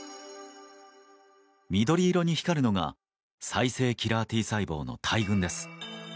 緑色に光るのが再生キラーＴ細胞の大群です。